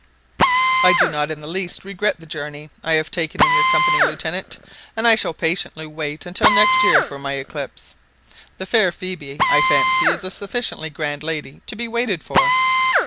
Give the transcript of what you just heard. "I do not in the least regret the journey I have taken in your company, Lieutenant, and I shall patiently wait until next year for my eclipse. The fair Phœbe, I fancy, is a sufficiently grand lady to be waited for."